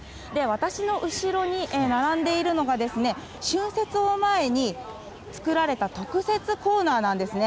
私の後ろに並んでいるのが、春節を前に作られた特設コーナーなんですね。